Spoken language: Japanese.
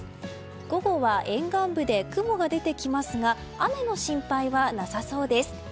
午後は沿岸部で雲が出てきますが雨の心配はなさそうです。